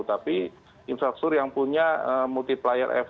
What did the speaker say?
tapi infrastruktur yang punya multiplier effe